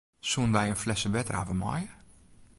Soenen wy in flesse wetter hawwe meie?